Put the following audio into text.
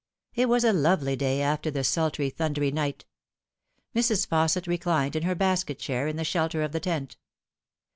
It was a lovely day after the sultry, thundery night. Mrs. Fausset reclined in her basket chair in the shelter of the tent.